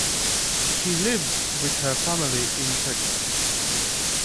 She lives with her family in Texas.